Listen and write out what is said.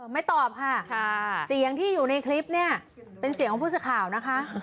ไม่ตอบค่ะเสียงที่อยู่ในคลิปเนี่ยเป็นเสียงของผู้สื่อข่าวนะคะ